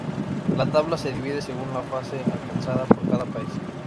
La tabla se divide según la fase alcanzada por cada país.